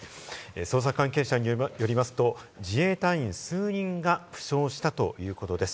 捜査関係者によりますと、自衛隊員数人が負傷したということです。